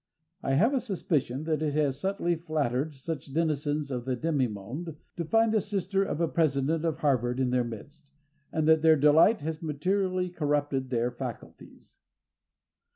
I have a suspicion that it has subtly flattered such denizens of the demi monde to find the sister of a president of Harvard in their midst, and that their delight has materially corrupted their faculties.